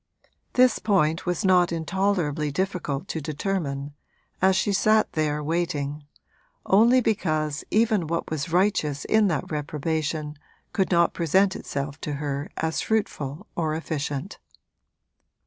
This point was not intolerably difficult to determine, as she sat there waiting, only because even what was righteous in that reprobation could not present itself to her as fruitful or efficient.